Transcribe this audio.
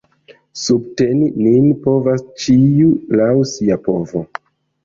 Subteni nin povas ĉiu laŭ sia povo.